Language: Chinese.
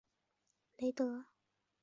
雷德温是古德休郡的郡治。